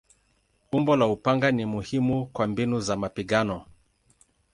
Umbo la upanga ni muhimu kwa mbinu za mapigano.